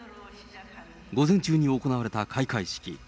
午前中に行われた開会式。